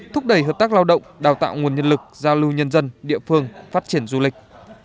thúc đẩy hợp tác lao động đào tạo nguồn nhân lực giao lưu nhân dân địa phương phát triển du lịch